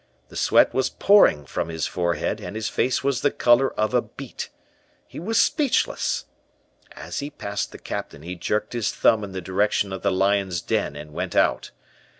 The sweat was pouring from his forehead, and his face was the color of a beet. He was speechless. As he passed the Captain he jerked his thumb in the direction of the lion's den and went out.